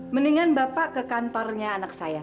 mendingan bapak ke kantornya anak saya